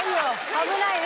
危ないね。